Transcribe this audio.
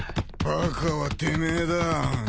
バカはてめえだ。